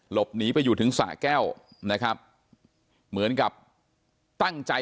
หลบหนีไปอยู่ถึงสะแก้วนะครับเหมือนกับตั้งใจ